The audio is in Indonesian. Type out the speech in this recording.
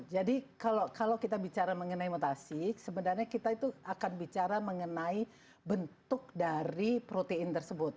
jadi kalau kita bicara mengenai mutasi sebenarnya kita itu akan bicara mengenai bentuk dari protein tersebut